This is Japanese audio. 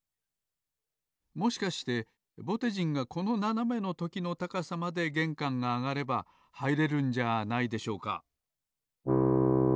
もしかしてぼてじんがこのななめのときの高さまでげんかんがあがればはいれるんじゃないでしょうか？